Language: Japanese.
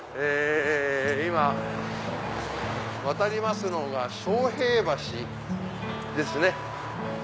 今渡りますのが昌平橋ですね。